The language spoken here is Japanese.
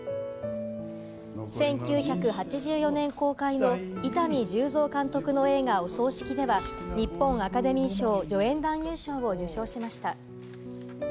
１９８４年公開の伊丹十三監督の映画『お葬式』では、日本アカデミー賞・助演男優賞を受賞しました。